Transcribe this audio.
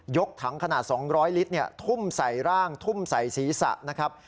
กถังขนาด๒๐๐ลิตรทุ่มใส่ร่างทุ่มใส่ศีรษะนะครับ